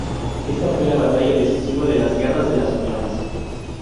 Esta fue la batalla decisiva de la guerras de las uniones.